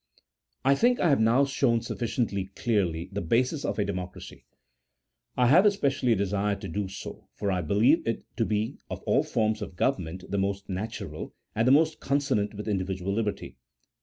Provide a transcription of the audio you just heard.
I think I have now shown sufficiently clearly the basis of a democracy : I have especially desired to do so, for I be lieve it to be of all forms of government the most natural, and the most consonant with individual liberty.